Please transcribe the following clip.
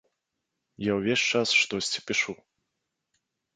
Я ўвесь час штосьці пішу.